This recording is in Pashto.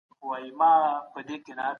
زه له سهار راهیسې په کار بوخت یم.